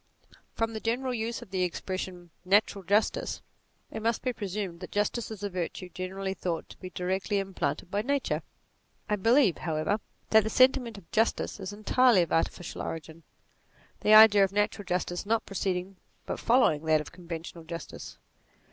From the general use of the expression " natural justice," it must be presumed that justice is a virtue generally thought to be directly implanted by nature. I believe, however, that the sentiment of justice is entirely of artificial origin ; the idea of natural justice not preceding but following that of conventional justice.